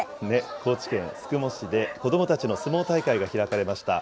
高知県宿毛市で、子どもたちの相撲大会が開かれました。